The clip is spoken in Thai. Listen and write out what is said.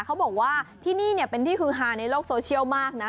เขาบอกว่าที่นี่เป็นที่ฮือฮาในโลกโซเชียลมากนะ